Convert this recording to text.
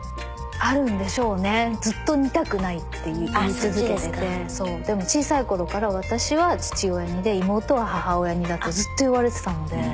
あるんでしょうねずっと似たくないって言い続けててそうでも小さい頃から私は父親似で妹は母親似だってずっと言われてたので。